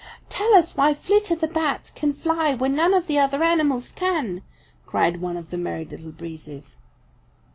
"Tell us why Flitter the Bat can fly when none of the other animals can," cried one of the Merry Little Breezes.